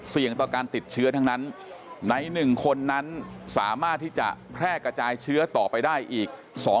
ต่อการติดเชื้อทั้งนั้นใน๑คนนั้นสามารถที่จะแพร่กระจายเชื้อต่อไปได้อีก